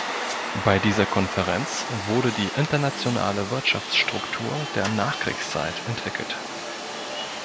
Bei dieser Konferenz wurde die internationale Wirtschaftsstruktur der Nachkriegszeit entwickelt.